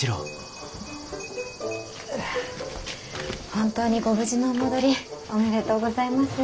本当にご無事のお戻りおめでとうございます。